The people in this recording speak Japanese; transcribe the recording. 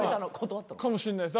かもしんないです。